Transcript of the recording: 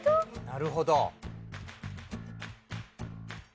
なるほど。